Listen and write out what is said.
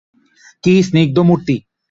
কী স্নিগ্ধ মূর্তি!